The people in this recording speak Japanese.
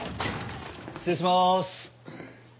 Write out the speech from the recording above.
失礼します。